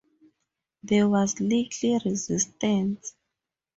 There was little resistance.